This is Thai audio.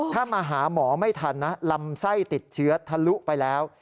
ถ้ามาหาหมอไม่ทันนะลำไส้ติดเชื้อทะลุไปแล้ว